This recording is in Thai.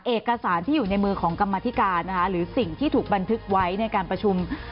เอกสารที่อยู่ในมือของกรรมธิการนะคะหรือสิ่งที่ถูกบันทึกไว้ในการประชุม